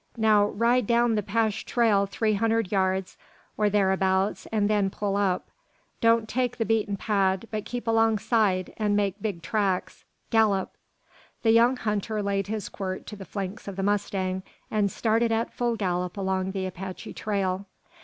Now ride down the 'Pash trail three hunred yards, or tharabout, an' then pull up. Don't take the beaten pad, but keep alongside, an' make big tracks. Gallop!" The young hunter laid his quirt to the flanks of the mustang, and started at full gallop along the Apache trail.